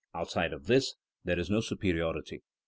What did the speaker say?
Outside of this, there is no superiority.